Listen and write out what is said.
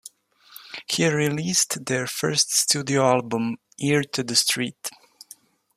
He released their first studio album, "Ear to the Street".